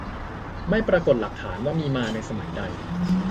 ไม่ปรากฏหลักฐานว่ามีมาในสมัยใด